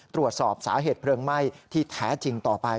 ตรวจสอบสาเหตุเพลิงไหม้ที่แท้จริงต่อไป